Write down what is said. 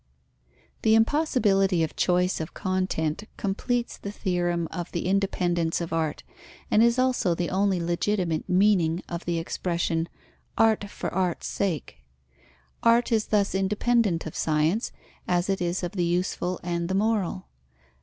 _ The impossibility of choice of content completes the theorem of the independence of art, and is also the only legitimate meaning of the expression: art for art's sake. Art is thus independent of science, as it is of the useful and the moral.